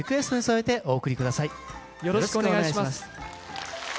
よろしくお願いします。